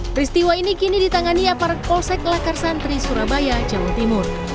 peristiwa ini kini ditangani aparat polsek lakar santri surabaya jawa timur